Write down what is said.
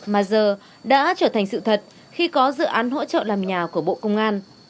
mà giờ đã trở thành sự thật khi có dự án hỗ trợ làm nhà của bộ công an